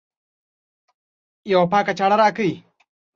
یوه پاکي چاړه راکړئ